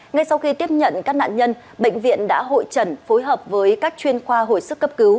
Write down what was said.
ngay sau khi tiếp nhận các nạn nhân bệnh viện đã hội trần phối hợp với các chuyên khoa hồi sức cấp cứu